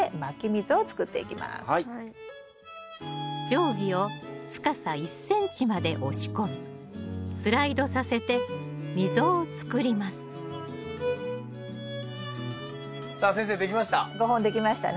定規を深さ１ｃｍまで押し込みスライドさせて溝を作りますさあ先生出来ました。